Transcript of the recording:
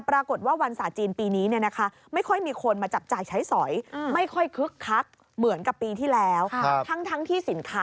ราคาปีนี้ถูกกว่าปีที่แล้วอีก